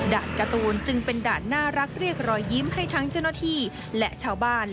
การ์ตูนจึงเป็นด่านน่ารักเรียกรอยยิ้มให้ทั้งเจ้าหน้าที่และชาวบ้าน